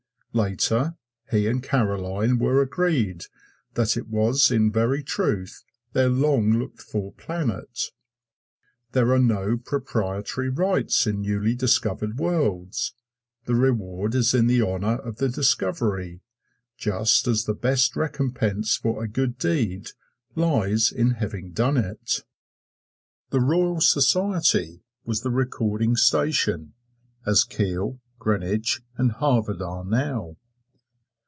Later, he and Caroline were agreed that it was in very truth their long looked for planet. There are no proprietary rights in newly discovered worlds the reward is in the honor of the discovery, just as the best recompense for a good deed lies in having done it. The Royal Society was the recording station, as Kiel, Greenwich and Harvard are now.